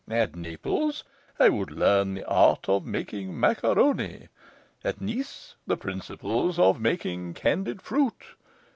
At Naples, I would learn the art of making macaroni; at Nice, the principles of making candied fruit.